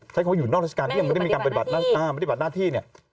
ใช้คำว่าอยู่นอกราชการที่ยังไม่ได้มีการปฏิบัติหน้าปฏิบัติหน้าที่เนี่ย